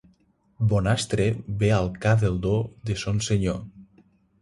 Bonastre ve al ca del do de son senyor.